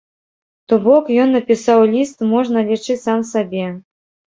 То бок, ён напісаў ліст, можна лічыць, сам сабе.